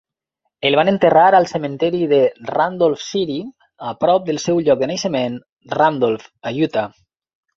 El van enterrar al cementiri de Randolph City, a prop del seu lloc de naixement, Randolph, a Utah.